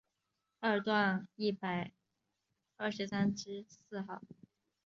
二段一百二十三之四号